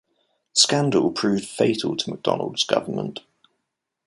The scandal proved fatal to Macdonald's government.